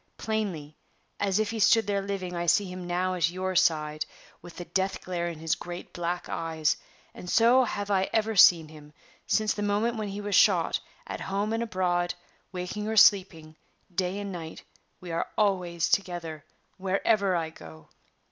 Plainly, as if he stood there living, I see him now at your side, with the death glare in his great black eyes; and so have I ever seen him, since the moment when he was shot; at home and abroad, waking or sleeping, day and night, we are always together, wherever I go!"